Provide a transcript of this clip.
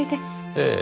ええ。